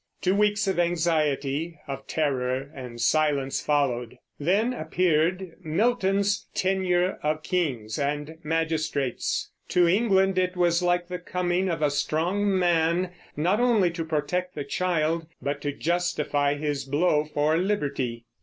Two weeks of anxiety, of terror and silence followed; then appeared Milton's Tenure of Kings and Magistrates. To England it was like the coming of a strong man, not only to protect the child, but to justify his blow for liberty.